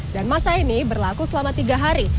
dan masa ini berlaku selama tiga hari